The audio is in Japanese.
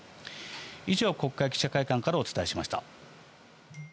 以上、国会記者会館からお伝えしました。